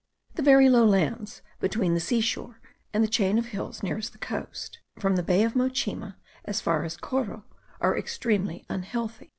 The very low lands, between the sea shore and the chain of hills nearest the coast, from the bay of Mochima as far as Coro, are extremely unhealthy.